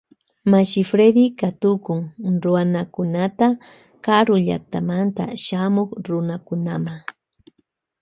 Mashi Fredy katukun Ruanakunata karu llaktamanta shamuk Runakunama.